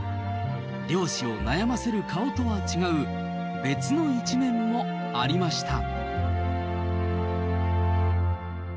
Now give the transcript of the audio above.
漁師を悩ませる顔とは違う別の一面もありました。